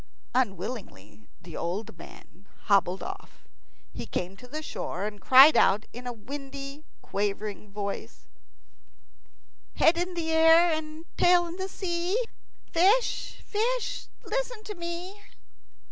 Unwillingly the old man hobbled off. He came to the shore, and cried out with a windy, quavering old voice, "Head in air and tail in sea, Fish, fish, listen to me."